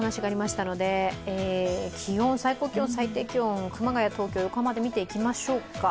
気温、最高気温、最低気温、熊谷、東京、横浜で見ていきましょうか。